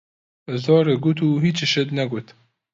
زۆرت گوت و هیچیشت نەگوت!